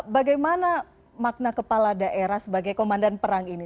bagaimana makna kepala daerah sebagai komandan perang ini